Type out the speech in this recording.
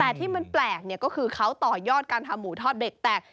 แต่ที่มันแปลกเนี่ยก็คือเขาต่อยอดการทำหมูทอดเบรกแตก